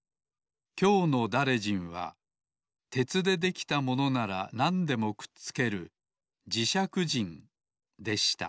きょうのだれじんは鉄でできたものならなんでもくっつけるじしゃくじんでした